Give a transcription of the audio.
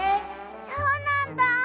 そうなんだ。